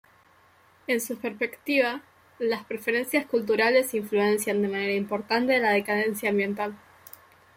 En su perspectiva, las preferencias culturales influencian de manera importante a la decadencia ambiental.